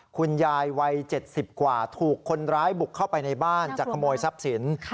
คุณยายวัย๗๐กว่าถูกคนร้ายบุกเข้าไปในบ้านจะขโมยทรัพย์สิน